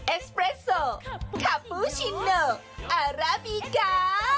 เอสเปรสโซคับบูชิโนแอราบีกา